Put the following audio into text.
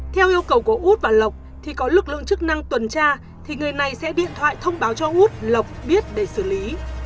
theo yêu cầu của út và lộc thì có lực lượng chức năng tuần tra thì người này sẽ điện thoại thông báo cho út lộc biết để xử lý